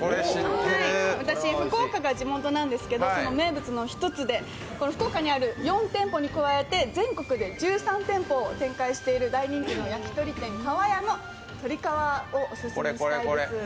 私福岡が地元なんですけど、その名物の一つで、福岡にある４店舗に加えて全国で１３店舗展開している大人気の焼き鳥店、かわ屋のとり皮をオススメしたいです。